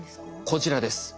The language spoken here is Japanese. こちらです。